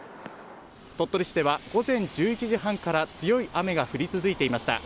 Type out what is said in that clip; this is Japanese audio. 鳥取市では午前１１時半から強い雨が降り続いていました。